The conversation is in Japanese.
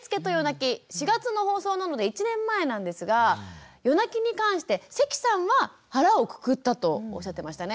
４月の放送なので１年前なんですが夜泣きに関して関さんは腹をくくったとおっしゃってましたね。